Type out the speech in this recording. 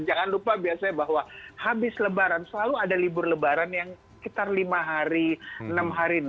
jangan lupa biasanya bahwa habis lebaran selalu ada libur lebaran yang sekitar lima hari enam hari